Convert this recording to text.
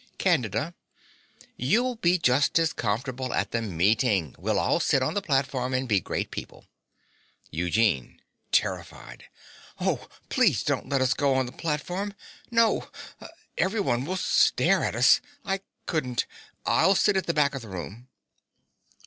CANDIDA. You'll be just as comfortable at the meeting. We'll all sit on the platform and be great people. EUGENE (terrified). Oh, please don't let us go on the platform. No everyone will stare at us I couldn't. I'll sit at the back of the room.